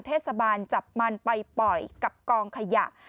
เทศบาลจับมันไปปล่อยกับกองขยะ